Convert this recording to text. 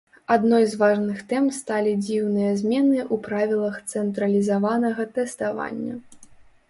Адной з важных тэм сталі дзіўныя змены ў правілах цэнтралізаванага тэставання.